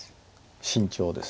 慎重です。